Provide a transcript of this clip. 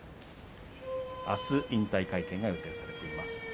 あす、引退会見が予定されています。